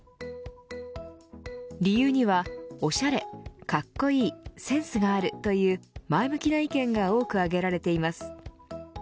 理由にはおしゃれかっこいいセンスがあるという前向きな意見が多く挙げられています。